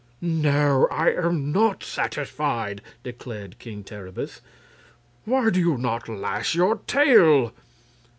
"No, I am not satisfied!" declared King Terribus. "Why do you not lash your tail?"